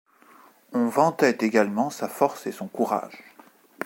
On vantait également sa force et son courage.